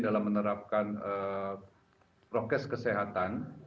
dalam menerapkan prokes kesehatan